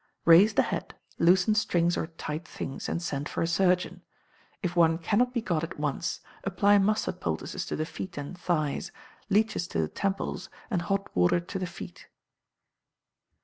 Raise the head, loosen strings or tight things, and send for a surgeon. If one cannot be got at once, apply mustard poultices to the feet and thighs, leeches to the temples and hot water to the feet.